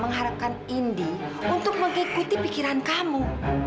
mengharapkan indi untuk mengikuti pikiran kamu